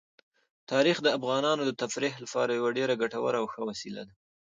تاریخ د افغانانو د تفریح لپاره یوه ډېره ګټوره او ښه وسیله ده.